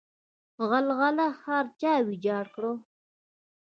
غلغله ښار چا ویجاړ کړ؟